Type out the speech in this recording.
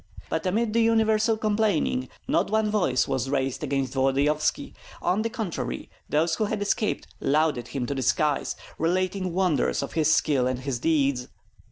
But amid the universal complaining not one voice was raised against Volodyovski. On the contrary, those who had escaped lauded him to the skies, relating wonders of his skill and his deeds.